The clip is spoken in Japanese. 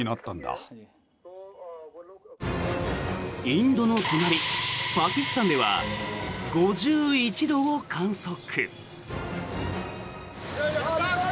インドの隣、パキスタンでは５１度を観測。